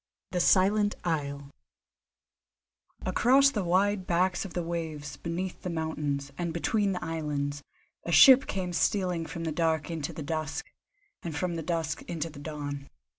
THE SILENT ISLE Across the wide backs of the waves, beneath the mountains, and between the islands, a ship came stealing from the dark into the dusk, and from the dusk into the dawn.